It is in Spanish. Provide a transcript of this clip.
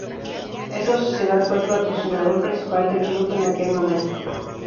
Esa sociedad fue el patrocinador principal del club en aquel momento.